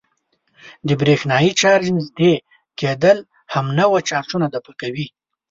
د برېښنايي چارج نژدې کېدل همنوع چارجونه دفع کوي.